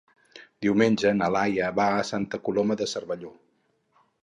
Diumenge na Laia va a Santa Coloma de Cervelló.